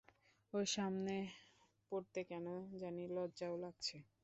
ওর সামনে পড়তে কেন জানি লজ্জাও লাগছে।